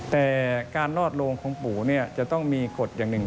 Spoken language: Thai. แต่การลอดโลงของปู่จะต้องมีกฎอย่างหนึ่ง